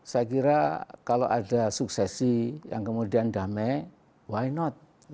saya kira kalau ada suksesi yang kemudian damai why not